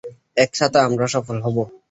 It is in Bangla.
একসাথে আমরা সফল হব।